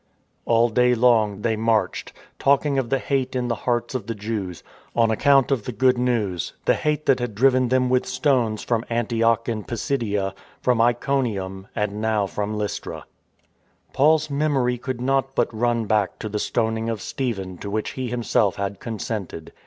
All day long they marched, talking of the hate in the hearts of the Jews — on ac 148 THE RETURN JOURNEY 149 count A the Good News, the hate that had driven them w ith stones from Antioch in Pisidia, from Iconi um an ( now from Lystra. Paujs memory could not but run back to the stoning of Stephen to which he himself had consented.